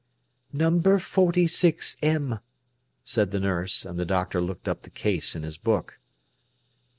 "Number forty six M.," said the nurse; and the doctor looked up the case in his book.